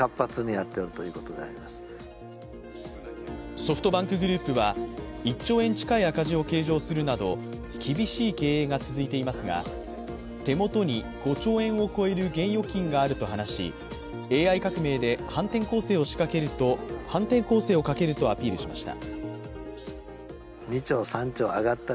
ソフトバンクグループは１兆円近い赤字を計上するなど厳しい経営が続いていますが手元に５兆円を超える現預金があると話し、ＡＩ革命で反転攻勢をかけるとアピールしました。